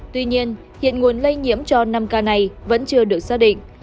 tuy nhiên hiện nguồn lây nhiễm cho năm ca này vẫn chưa được xác định